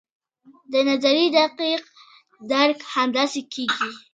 د نظریې دقیق درک همداسې کیږي.